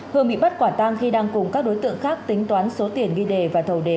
hương bị bắt quả tang khi đang cùng các đối tượng khác tính toán số tiền ghi đề và thầu đề